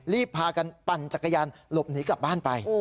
พากันปั่นจักรยานหลบหนีกลับบ้านไป